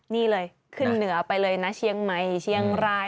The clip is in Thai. นี่เลยขึ้นเหนือไปเลยนะเชียงใหม่เชียงราย